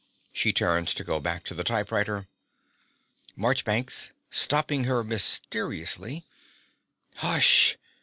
(She turns to go back to the typewriter.) MARCHBANKS (stopping her mysteriously). Hush!